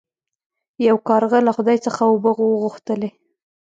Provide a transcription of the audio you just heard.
یو کارغه له خدای څخه اوبه وغوښتلې.